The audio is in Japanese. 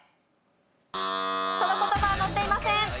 その言葉は載っていません。